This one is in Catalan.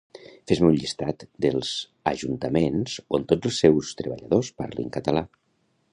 Fes-me un llistat dels Ajuntaments on tots els seus treballadors parlin català